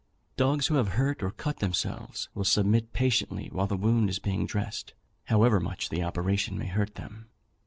Dogs who have hurt or cut themselves will submit patiently while the wound is being dressed, however much the operation may hurt them.